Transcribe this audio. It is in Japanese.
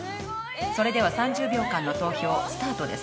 それでは３０秒間の投票スタートです。